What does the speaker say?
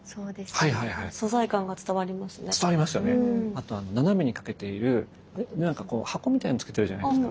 あと斜めにかけている何かこう箱みたいなのを着けてるじゃないですか。